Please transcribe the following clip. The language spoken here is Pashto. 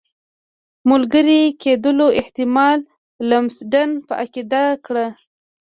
ملګري کېدلو احتمال لمسډن په عقیده کړ.